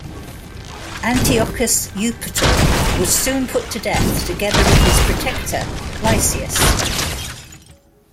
Antiochus Eupator was soon put to death together with his protector Lysias.